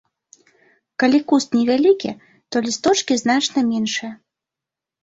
Калі куст невялікі, то лісточкі значна меншыя.